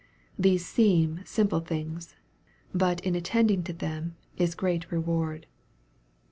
These seem simple things. But in at tending to them is great reward.